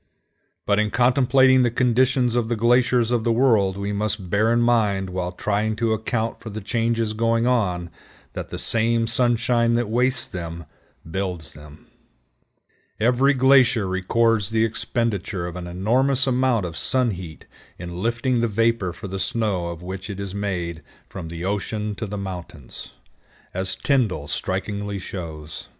But in contemplating the condition of the glaciers of the world, we must bear in mind while trying to account for the changes going on that the same sunshine that wastes them builds them. Every glacier records the expenditure of an enormous amount of sun heat in lifting the vapor for the snow of which it is made from the ocean to the mountains, as Tyndall strikingly shows.